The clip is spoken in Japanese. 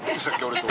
俺と。